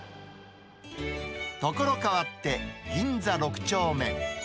所変わって、銀座６丁目。